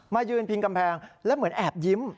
ยืนพิงกำแพงแล้วเหมือนแอบยิ้ม